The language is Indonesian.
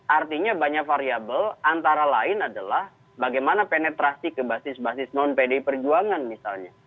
artinya banyak variable antara lain adalah bagaimana penetrasi ke basis basis non pdi perjuangan misalnya